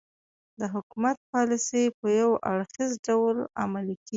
د حکومت پالیسۍ په یو اړخیز ډول عملي کېدې.